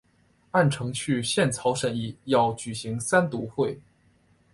按程序宪草审议要举行三读会。